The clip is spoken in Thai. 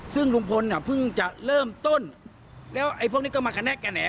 ซึ่งลุงพลเพิ่งจะเริ่มต้นแล้วพวกนี้ก็มาแกะแหน่